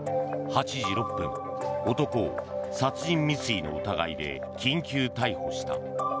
８時６分、男を殺人未遂の疑いで緊急逮捕した。